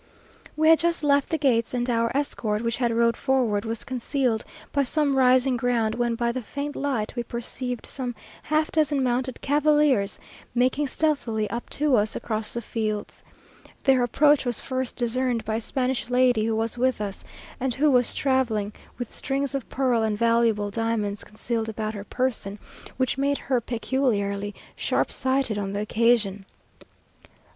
We had just left the gates, and our escort, which had rode forward, was concealed by some rising ground, when, by the faint light, we perceived some half dozen mounted cavaliers making stealthily up to us across the fields. Their approach was first discerned by a Spanish lady who was with us, and who was travelling with strings of pearl and valuable diamonds concealed about her person, which made her peculiarly sharp sighted on the occasion.